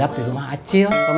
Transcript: saat apa pak coloc tour prod